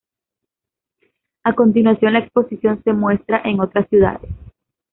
A continuación, la exposición se muestra en otras ciudades.